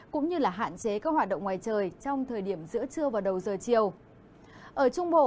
cũng như là hạn chế các hoạt động ngoài trời trong thời điểm giữa trưa và đầu giờ chiều